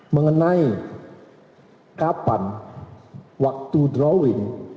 mengenai kapan waktu drawing